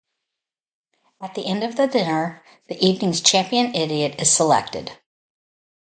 At the end of the dinner, the evening's "champion idiot" is selected.